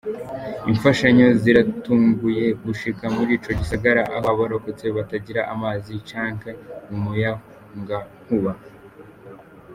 Imfashanyo ziratanguye gushika muri ico gisagara, aho abarokotse batagira amazi canke umuyagankuba.